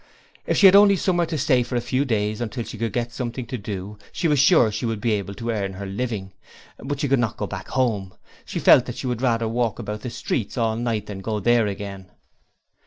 If she only had somewhere to stay for a few days until she could get something to do, she was sure she would be able to earn her living, but she could not go back home; she felt that she would rather walk about the streets all night than go there again.